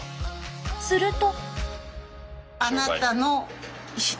すると。